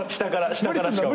下からしかも。